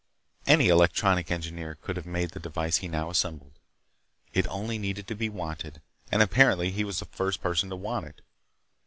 Any electronic engineer could have made the device he now assembled. It only needed to be wanted—and apparently he was the first person to want it.